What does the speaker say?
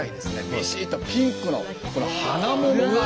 びしっとピンクのこの花桃が。